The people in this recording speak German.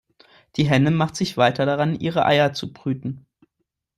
Die Henne machte sich weiter daran, ihre Eier zu brüten.